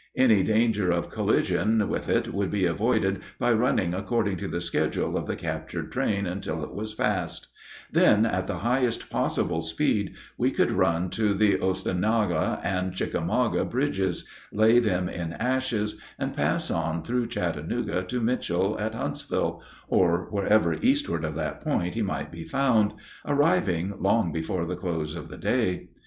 Any danger of collision with it could be avoided by running according to the schedule of the captured train until it was passed; then at the highest possible speed we could run to the Oostenaula and Chickamauga bridges, lay them in ashes, and pass on through Chattanooga to Mitchel at Huntsville, or wherever eastward of that point he might be found, arriving long before the close of the day.